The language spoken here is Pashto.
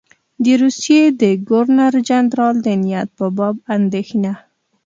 د روسیې د ګورنر جنرال د نیت په باب اندېښنه.